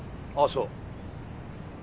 ああそう。